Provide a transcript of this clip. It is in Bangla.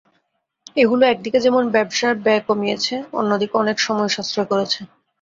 এগুলো একদিকে যেমন ব্যবসার ব্যয় কমিয়েছে, অন্যদিকে অনেক সময় সাশ্রয় করছে।